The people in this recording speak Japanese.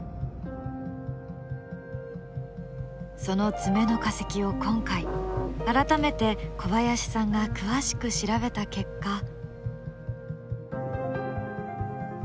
その爪の化石を今回改めて小林さんが詳しく調べた結果。